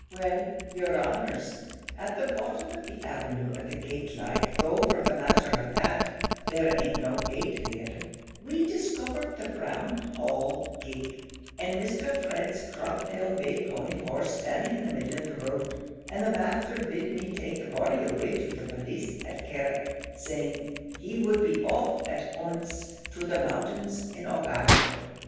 Well, yer honours, at the bottom of the avenue, at the gate like, though for the matter of that, there ain't no gate there, we discovered the Brown Hall gig, and Mr. Fred's crop tailed bay pony horse standing in the middle of the road and the masther bid me take the body away to the police at Carrick, saying he would be off at oncet to the mountains in Aughacashel.